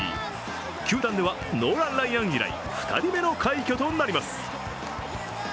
球団ではノーラン・ライアン以来２人目の快挙となります。